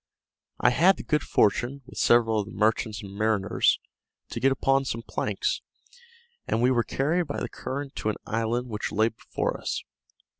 I had the good fortune, with several of the merchants and mariners, to get upon some planks, and we were carried by the current to an island which lay before us.